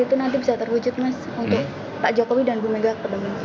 itu nanti bisa terwujud mas untuk pak jokowi dan bu megawati